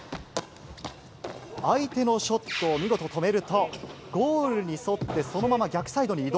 相手のショットを見事止めると、ゴールに沿ってそのまま逆サイドに移動。